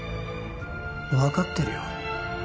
分かってるよ